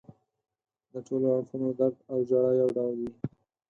د ټولو اړخونو درد او ژړا یو ډول وي.